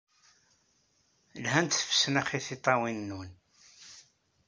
Lhant tfesnax i tiṭṭawin-nwen.